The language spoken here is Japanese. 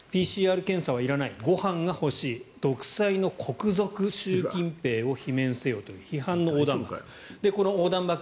ＰＣＲ検査はいらないご飯が欲しい独裁の国賊習近平を罷免せよと批判の横断幕。